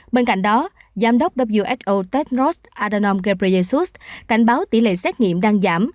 bên cạnh đó giám đốc who tedros adhanom ghebreyesus cảnh báo tỷ lệ xét nghiệm đang giảm